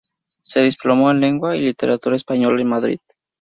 Se diplomó en lengua y literatura española en Madrid.